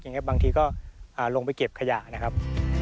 อย่างนี้บางทีก็ลงไปเก็บขยะนะครับ